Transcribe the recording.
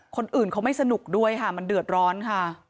คนอื่นเขาไม่สนุกด้วยค่ะมันเดือดร้อนค่ะ